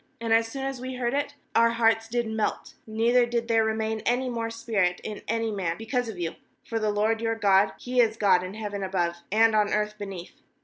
nAnd as soon as we had heard it, our hearts did melt, neither did there remain any more spint in any man, because of you; for the LORD your God, He is God in heaven above, and on earth beneath.